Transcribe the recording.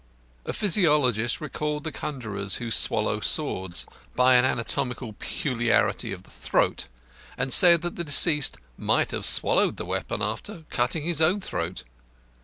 A physiologist recalled the conjurers who swallow swords by an anatomical peculiarity of the throat and said that the deceased might have swallowed the weapon after cutting his own throat.